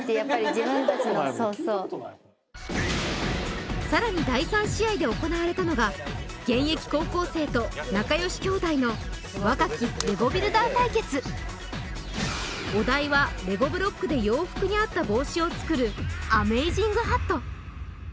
自分たちのそうそうさらに第３試合で行われたのが現役高校生と仲良し兄弟の若きレゴビルダー対決お題はレゴブロックで洋服に合った帽子を作る「アメイジングハット」